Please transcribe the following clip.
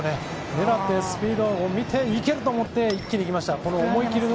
狙って、スピードを見て、いけると思って、一気に行きました。